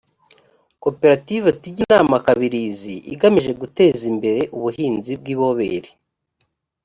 koperative tujyinama kabirizi igamije guteza imbere ubuhinzi bw’iboberi